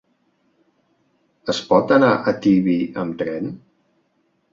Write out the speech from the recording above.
Es pot anar a Tibi amb tren?